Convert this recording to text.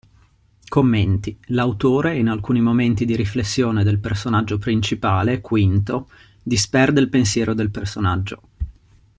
Commenti: L'autore in alcuni momenti di riflessione del personaggio principale (Quinto) disperde il pensiero del personaggio.